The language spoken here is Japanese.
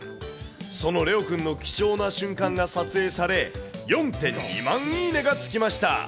そのレオくんの貴重な瞬間が撮影され、４．２万いいねがつきました。